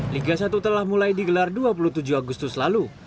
liga satu telah mulai digelar dua puluh tujuh agustus lalu